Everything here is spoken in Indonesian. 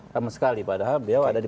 sama sekali padahal beliau ada di